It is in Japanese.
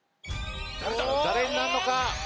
誰になるのか？